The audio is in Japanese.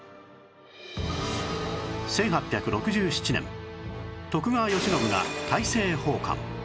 １８６７年徳川慶喜が大政奉還